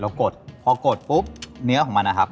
กดพอกดปุ๊บเนื้อของมันนะครับ